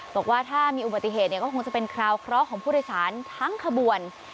บอกว่าถ้ามีอุบัติเหตุเนี่ยก็คงจะเป็นคราวเคราะห์ของผู้โดยสารทั้งขบวน